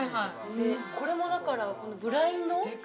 これもだからブラインド？